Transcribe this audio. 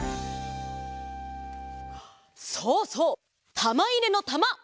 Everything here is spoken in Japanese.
そうそう！たまいれのたま！